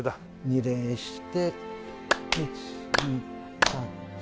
二礼して１２３４。